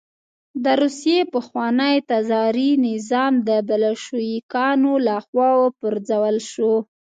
د روسیې پخوانی تزاري نظام د بلشویکانو له خوا وپرځول شو